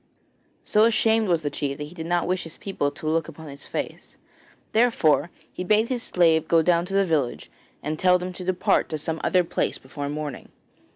So ashamed was the chief that he did not wish his people to look upon his face, therefore he bade his slave go down to the village and tell them to depart to some other place before morning.